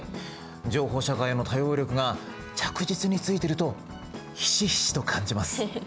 情報社会への対応力が着実についてるとひしひしと感じます。